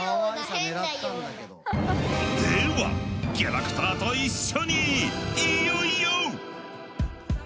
ではキャラクターと一緒にいよいよ！